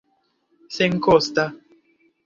senkosta